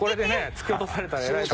突き落とされたらえらい事。